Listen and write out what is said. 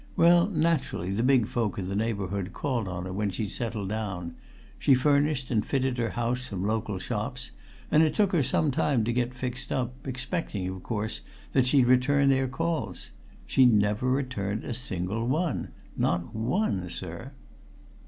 Well, naturally, the big folk of the neighbourhood called on her when she'd settled down she furnished and fitted her house from local shops, and it took her some time to get fixed up expecting, of course, that she'd return their calls. She never returned a single one! Not one, sir!"